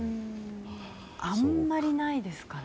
あまりないですかね。